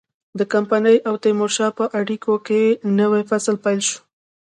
د کمپنۍ او تیمورشاه په اړیکو کې نوی فصل پیل شو.